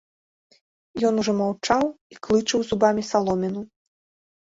Ён ужо маўчаў і клычыў зубамі саломіну.